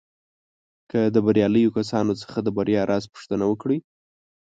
که د برياليو کسانو څخه د بريا راز پوښتنه وکړئ.